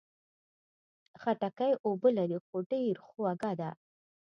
خټکی اوبه لري، خو ډېر خوږه ده.